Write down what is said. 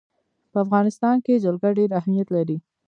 په افغانستان کې جلګه ډېر اهمیت لري.